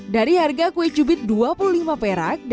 dari harga kue cubit rp dua puluh lima